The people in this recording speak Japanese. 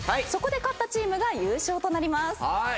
そこで勝ったチームが優勝となります。